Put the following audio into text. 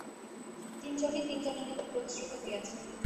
তিন জনেই তিন জনের নিকট প্রতিশ্রুত হইয়াছি।